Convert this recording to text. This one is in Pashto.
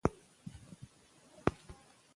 دې ژورنال خپله سلمه کالیزه ولمانځله.